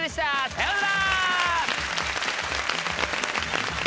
さようなら！